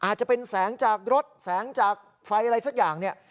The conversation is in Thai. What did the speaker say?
อาจจะเป็นแสงจากรถแสงจากไฟอะไรสักอย่างเนี่ย